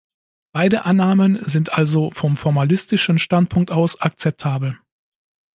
Beide Annahmen sind also vom formalistischen Standpunkt aus akzeptabel.